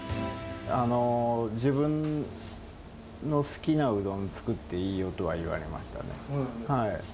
自分の好きなうどん作っていいよとは言われましたね。